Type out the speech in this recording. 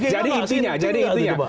jadi intinya jadi intinya